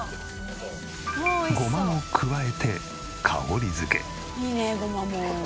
ゴマを加えて香り付け。